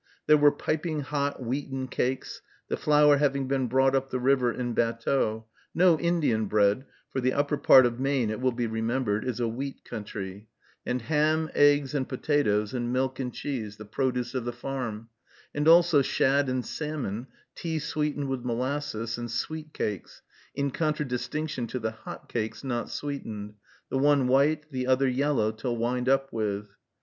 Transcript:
There were piping hot wheaten cakes, the flour having been brought up the river in batteaux, no Indian bread, for the upper part of Maine, it will be remembered, is a wheat country, and ham, eggs, and potatoes, and milk and cheese, the produce of the farm; and also shad and salmon, tea sweetened with molasses, and sweet cakes, in contradistinction to the hot cakes not sweetened, the one white, the other yellow, to wind up with.